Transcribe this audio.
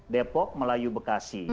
depok melayu bekasi